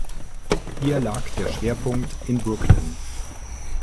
Hier lag der Schwerpunkt in Brooklyn.